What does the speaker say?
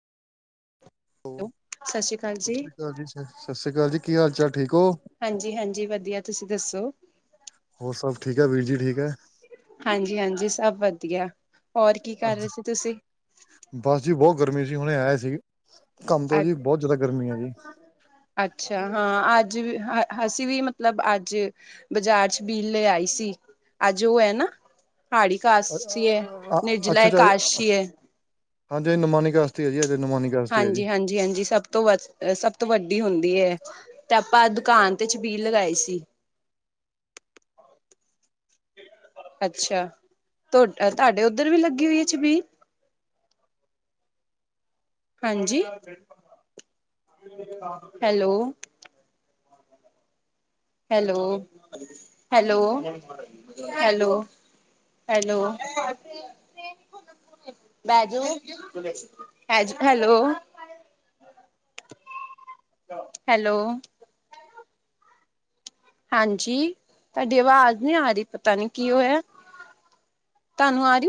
Hello, ਸਤਿ ਸ੍ਰੀ ਅਕਾਲ ਜੀ, ਸਤਿ ਸ੍ਰੀ ਅਕਾਲ ਜੀ ਕੀ ਹਾਲ ਚਾਲ, ਠੀਕ ਓ? ਹਾਂਜੀ-ਹਾਂਜੀ, ਵਧੀਆ, ਤੁਸੀਂ ਦੱਸੋ? ਹੋਰ ਸਬ ਠੀਕ ਐ। ਵੀਰ ਜੀ ਠੀਕ ਐ। ਹਾਂਜੀ-ਹਾਂਜੀ, ਸਭ ਵਧੀਆ। ਹੋਰ ਕੀ ਅੱ ਕਰ ਜੀ, ਰਹੇ ਸੀ ਤੁਸੀਂ? ਬਸ ਜੀ ਬੋਤ ਗਰਮੀ ਸੀ। ਹੁਣੇ ਆਇਆ ਹੀ ਸੀ। ਕੰਮ ਤੋਂ ਅ ਜੀ ਬਹੁਤ ਜ਼ਿਆਦਾ ਗਰਮੀ ਹੈ ਜੀ ਅੱਛਾ। ਹਾਂ ਆ ਜੀ ਵੇ, ਅਸੀਂ ਵੀ, ਮਤਲਬ, ਅੱਜ ਬਾਜ਼ਾਰ ਚ ਛਬੀਲ ਲੈ ਆਈ ਸੀ। ਅੱਜ ਓ ਐ ਨਾ, ਹਾੜੀ ਕਾਸੀ ਐ। ਨਿਰਜਲਾ ਅੱਛਾ ਅੱਛਾ ਏਕਸ਼ੀ ਐ। ਹਾਂਜੀ, ਨਮਾਨੀ ਕਾਰਸੀ ਐ ਜੀ, ਐ। ਹਾਂਜੀ-ਹਾਂਜੀ, ਹਾਂਜੀ, ਸਭ ਤੋਂ, ਵ ਸਭ ਤੋਂ ਵੱਡੀ ਹੁੰਦੀ ਐ। ਤੇ, ਆਪਾਂ ਦੁਕਾਨ ਤੇ, ਚਬੀਲ ਲਗਾਈ ਸੀ। ਅੱਛਾ। ਤੁਹਾ ਤੁਹਾਡੇ ਉੱਧਰ ਵੀ ਲੱਗੀ ਹੋਈ ਹੈ, ਚਬੀਰ? ਹਾਂਜੀ, hello. Hello, hello, hello. Hello. ਬੇਜੂ, ਹੈਲੋ। ਹੈਲੋ। ਹਾਂਜੀ, ਤੁਹਾਡੀ ਅਵਾਜ਼ ਨਹੀਂ ਆ ਰਹੀ। ਪਤਾ ਨੀ ਕੀ ਹੋਇਆ। ਤੁਹਾਨੂੰ, ਆ ਰ-